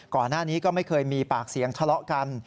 ก่อนหน้านี้ก็ไม่เคยมีปากเสียงทะเลาะกัน